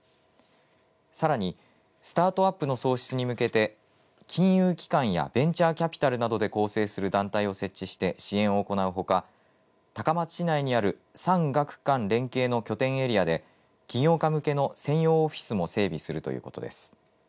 さらにスタートアップの創出に向けて金融機関やベンチャーキャピタルなどで構成する団体を設置して支援を行うほか高松市内にある産学官連携の拠点エリアで起業家向けの専用オフィスも整備するということです。